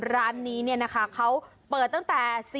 ร้านนี้เนี่ยนะคะเขาเปิดตั้งแต่